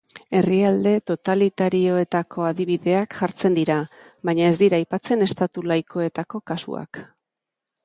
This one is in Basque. Herrialde totalitarioetako adibideak jartzen dira, baina ez dira aipatzen estatu laikoetako kasuak.